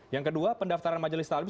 yang kedua pendaftaran majelis taklim